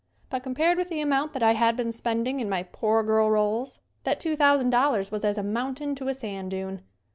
But com pared with the amount that I had been spend ing in my "poor girl" roles that $2,000 was as a mountain to a sand dune.